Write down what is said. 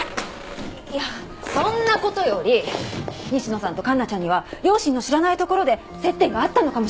いやそんな事より西野さんと環奈ちゃんには両親の知らないところで接点があったのかもしれない。